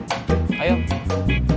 sekalian sama si tepe